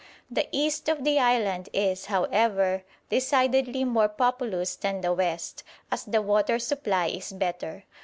The east of the island is, however, decidedly more populous than the west, as the water supply is better.